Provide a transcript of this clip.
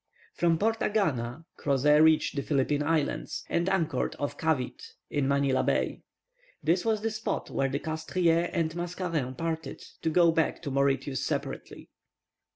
From Port Agana, Crozet reached the Philippine Islands, and anchored off Cavite, in Manilla Bay. This was the spot where the Castries and Mascarin parted, to go back to Mauritius separately.